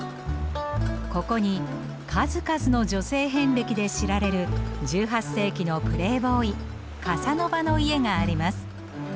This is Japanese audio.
ここに数々の女性遍歴で知られる１８世紀のプレーボーイカサノバの家があります。